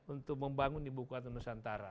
untuk membangun ibu kota nusantara